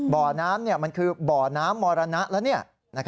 บ่อน้ำมันคือบ่อน้ำมรณะแล้ว